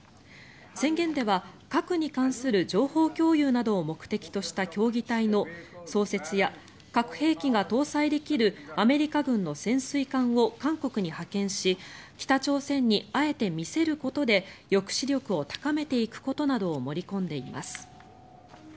宣言では核に関する情報共有などを目的とした協議体の創設や核兵器が搭載できるアメリカ軍の潜水艦を韓国に派遣し北朝鮮にあえて見せることで抑止力を高めていくことなどを盛り込んでいます。